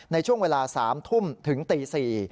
ในช่วงเวลา๓ทุ่มถึงตี๔